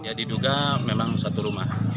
ya diduga memang satu rumah